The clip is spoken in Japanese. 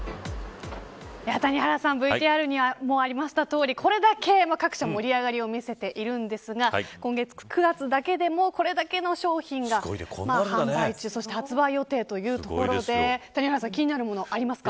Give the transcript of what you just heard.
谷原さん、ＶＴＲにもありましたとおりこれだけ各社、盛り上がりを見せているんですが今月９月だけでもこれだけの商品が販売中そして発売予定というところで谷原さん気になるものありますか。